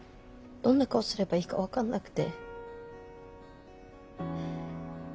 どんな顔すればいいか分かんなくて。